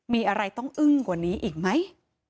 มีอะไรต้องอึ้งกว่านี้อีกไหม